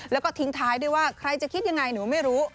แล้วก็ทิ้งท้ายด้วยว่าใครจะคิดยังไงหนูไม่รู้